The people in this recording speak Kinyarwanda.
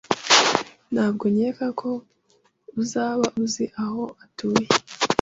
Ntabwo nkeka ko uzaba uzi aho atuye?